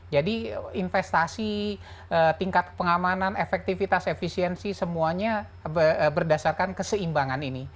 jadi investasi tingkat pengamanan efektivitas efisiensi semuanya berdasarkan keseimbangan ini